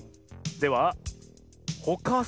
では「ほかす」